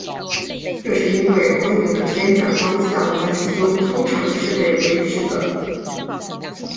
这是因为光源的偏振方向在其中通常是被维持的。